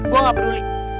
gua gak peduli